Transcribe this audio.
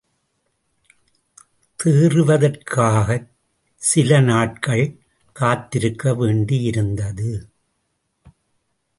தேறுவதற்காகச் சிலநாட்கள் காத்திருக்க வேண்டியிருந்தது.